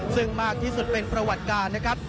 ซึ่งมากที่สุดเป็นประวัติการนะครับ